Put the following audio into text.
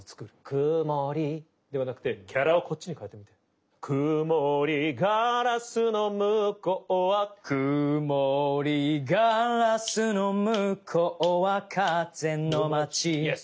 くもりではなくてキャラをこっちに変えてみてくもりガラスのむこうはくもりガラスのむこうはかぜのまちイエス。